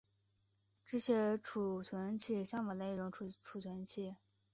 只写存储器相反的一种存储器。